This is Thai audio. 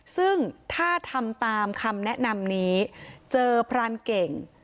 ซึ่งถ้าทำตามคำแนะนำนี้เจอพรานเก่ง